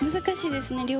難しいですね